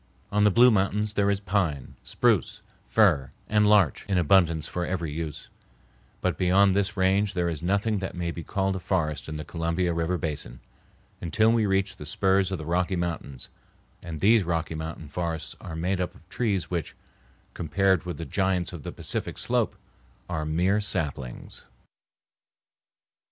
On the Blue Mountains there is pine, spruce, fir, and larch in abundance for every use, but beyond this range there is nothing that may be called a forest in the Columbia River basin, until we reach the spurs of the Rocky Mountains; and these Rocky Mountain forests are made up of trees which, compared with the giants of the Pacific Slope, are mere saplings.